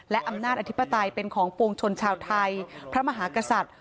และอำนาจอธิปไตยเป็นของปวงชนชาวไทยพระมหากษัตริย์